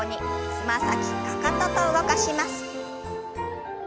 つま先かかとと動かします。